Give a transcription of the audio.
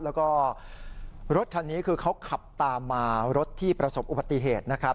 แล้วก็รถคันนี้คือเขาขับตามมารถที่ประสบอุบัติเหตุนะครับ